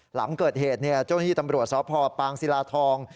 หลังเกิดเหตุเจ้าหน้าที่ตำรวจสพปางศิลาทอง